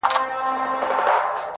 • کوم انسان چي بل انسان په کاڼو ولي..